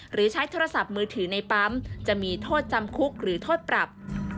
หรือใช้โทรศัพท์มือถือในปั๊มจะมีโทษจำคุกหรือโทษปรับ